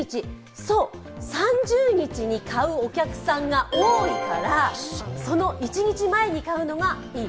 そう、３０日に買うお客さんが多いからその一日前に買うのがいい。